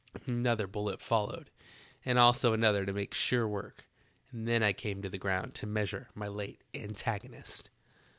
Another bullet followed, and also another to make sure work, and then I came to the ground to meas ure my late antagonist.